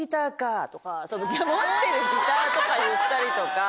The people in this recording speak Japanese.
持ってるギターとか言ったりとか。